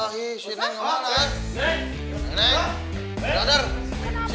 alilahi si neng kemana eh